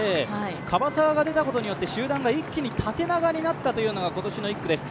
樺沢が出たことによって、集団が一気に縦長になったという今年の１区です。